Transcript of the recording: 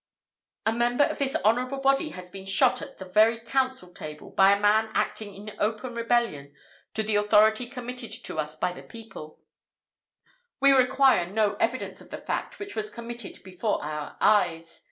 A member of this honourable body has been shot at the very council table, by a man acting in open rebellion to the authority committed to us by the people we require no evidence of the fact, which was committed before our eyes.